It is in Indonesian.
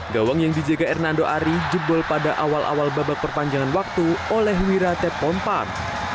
gawang yang dijaga hernando ari jebol pada awal awal babak perpanjangan waktu oleh wirate pompar